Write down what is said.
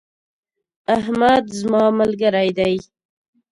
احمد زما ملګری دی.